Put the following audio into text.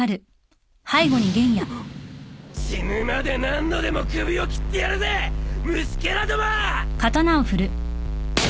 死ぬまで何度でも首を斬ってやるぜ虫けらども！